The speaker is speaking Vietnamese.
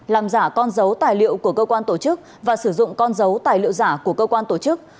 làm giả con dấu tài liệu của cơ quan tổ chức và sử dụng con dấu tài liệu giả của cơ quan tổ chức